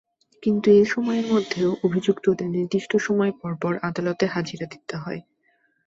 কিন্তু এ সময়ের মধ্যেও অভিযুক্তদের নির্দিষ্ট সময় পরপর আদালতে হাজিরা দিতে হয়।